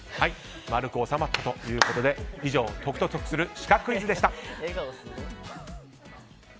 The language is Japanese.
丸く収まったということで以上解くと得するシカクイズでした。